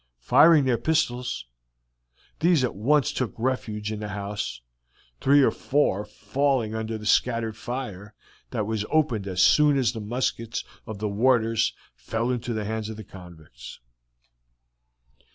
Firing their pistols, these at once took refuge in the house, three or four falling under the scattered fire that was opened as soon as the muskets of the warders fell into the hands of the convicts.